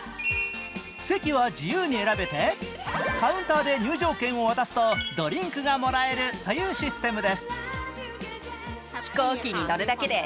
席は自由に選べてカウンターで入場券を渡すとドリンクがもらえるというシステムです。